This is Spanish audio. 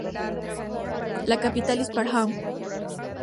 La capital es Parham.